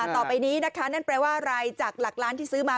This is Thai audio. ต่อไปนี้นะคะนั่นแปลว่าอะไรจากหลักล้านที่ซื้อมา